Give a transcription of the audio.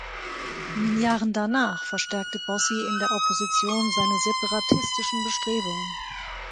In den Jahren danach verstärkte Bossi in der Opposition seine separatistischen Bestrebungen.